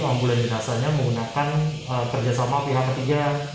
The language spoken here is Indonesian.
ambulan jenazahnya menggunakan kerjasama pihak ketiga